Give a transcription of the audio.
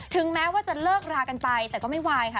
แม้ว่าจะเลิกรากันไปแต่ก็ไม่วายค่ะ